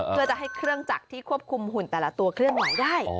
เพื่อจะให้เครื่องจักรที่ควบคุมหุ่นแต่ละตัวเคลื่อนไหวได้